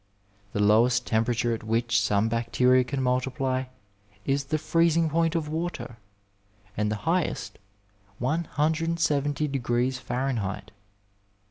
. The lowest temperature at which some bacteria can multiply is the freezing point of water, and the highest 170 degrees Fahrenheit.